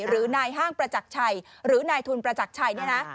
หรือนายห้างประจักรชัยหรือนายทุนประจักรชัยเนี่ยนะ